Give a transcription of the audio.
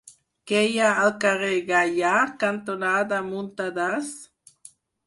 Què hi ha al carrer Gaià cantonada Muntadas?